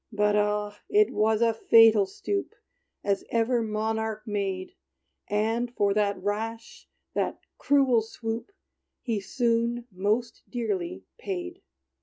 But ah! it was a fatal stoop, As ever monarch made; And, for that rash that cruel swoop, He soon most dearly paid!